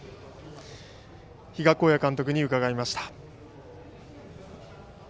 比嘉公也監督に伺いました。